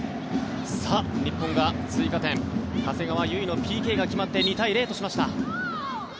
さあ、日本が追加点長谷川唯のＰＫが決まって２対０としました。